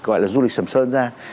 gọi là du lịch sầm sơn ra